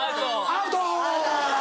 アウト！